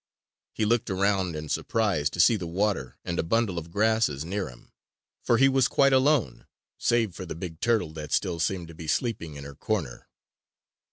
He looked around in surprise to see the water and a bundle of grasses near him; for he was quite alone, save for the big turtle that still seemed to be sleeping in her corner.